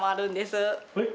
えっ？